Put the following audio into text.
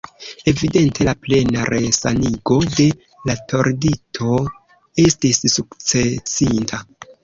Evidente la plena resanigo de la tordito estis sukcesinta.